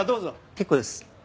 結構です。